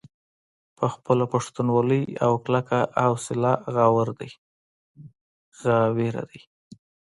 پۀ خپله پښتونولۍ او کلکه حوصله غاوره دے ۔